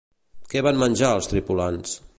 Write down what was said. Què van menjar els tripulants?